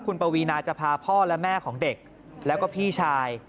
คุณปวีนาจะพาพ่อและแม่ของเด็กแล้วก็พี่ชาย